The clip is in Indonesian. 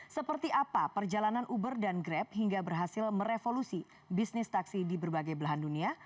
seperti apa perjalanan uber dan grab hingga berhasil merevolusi bisnis taksi di berbagai belahan dunia